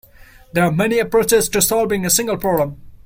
There are many approaches to solving a single problem.